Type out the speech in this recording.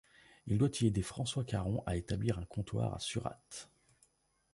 Il doit y aider François Caron à établir un comptoir à Surate.